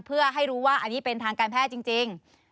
เพื่อให้รู้ว่าอันนี้เป็นทางการแพทย์จริง